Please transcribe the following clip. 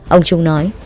ông trung nói